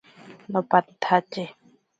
Nopantsatye.